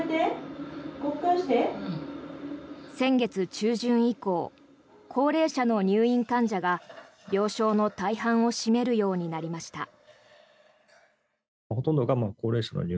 先月中旬以降高齢者の入院患者が病床の大半を占めるようになりました。